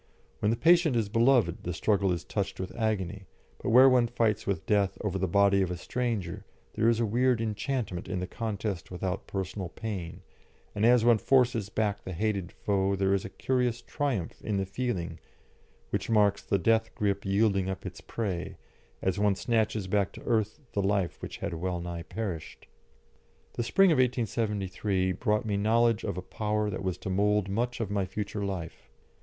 When the patient is beloved the struggle is touched with agony, but where one fights with Death over the body of a stranger there is a weird enchantment in the contest without personal pain, and as one forces back the hated foe there is a curious triumph in the feeling which marks the death grip yielding up its prey, as one snatches back to earth the life which had well nigh perished. The spring of 1873 brought me knowledge of a power that was to mould much of my future life.